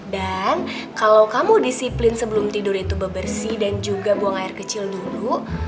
dan kalau kamu disiplin sebelum tidur itu bebersih dan juga buang air kecil dulu